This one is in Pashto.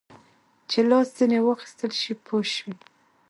چې لاس ځینې واخیستل شي پوه شوې!.